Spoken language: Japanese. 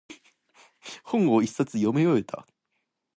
本を一冊読み終えた。